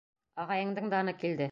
Ағайыңдың даны килде!